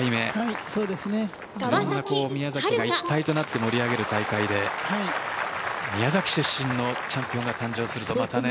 宮崎が一体となって盛り上げる大会で宮崎出身のチャンピオンが誕生するとまたね。